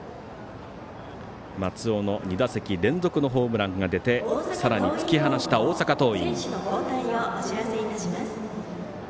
松尾の２打席連続ホームランが出てさらに突き放した大阪桐蔭。